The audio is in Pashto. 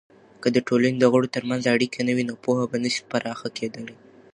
که د ټولني دغړو ترمنځ اړیکې نه وي، نو پوهه به نسي پراخه کیدلی.